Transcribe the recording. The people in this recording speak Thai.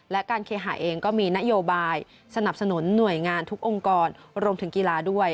และการเคหาเองก็มีนโยบายสนับสนุนหน่วยงานทุกองค์กรรวมถึงกีฬาด้วย